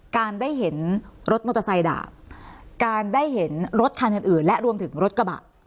การได้เห็นรถมอเตอร์ไซค์ดาบการได้เห็นรถคันอื่นอื่นและรวมถึงรถกระบะ